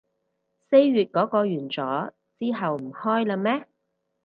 四月嗰個完咗，之後唔開喇咩